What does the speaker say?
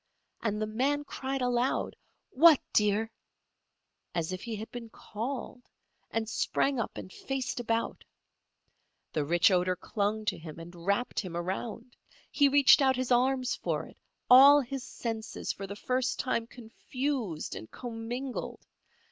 And the man cried aloud: "What, dear?" as if he had been called, and sprang up and faced about. The rich odour clung to him and wrapped him around. He reached out his arms for it, all his senses for the time confused and commingled.